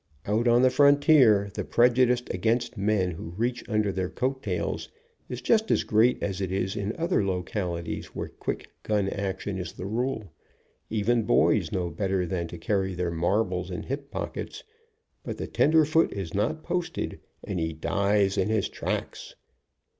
Out on the frontier the prejudice against men who reach under their coat tails is just as great as it is in other localities where quick gun action is the rule. Even boys know better than to carry their marbles in hip pockets, but the tenderfoot is not posted, and he dies in his tracks.